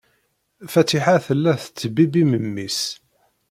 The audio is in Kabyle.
Fatiḥa tella tettbibbi memmi-s.